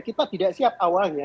kita tidak siap awalnya